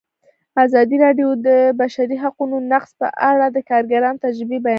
ازادي راډیو د د بشري حقونو نقض په اړه د کارګرانو تجربې بیان کړي.